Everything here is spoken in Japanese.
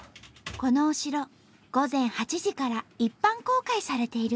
このお城午前８時から一般公開されている。